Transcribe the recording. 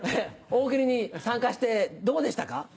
大喜利に参加してどうでしたか？